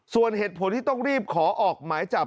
ส่วนเหตุผลที่ต้องรีบขอออกหมายจับ